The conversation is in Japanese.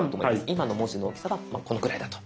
今の文字の大きさはこのくらいだと。